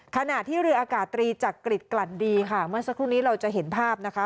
ขณะที่เรืออากาศตรีจักริจกลั่นดีค่ะเมื่อสักครู่นี้เราจะเห็นภาพนะคะ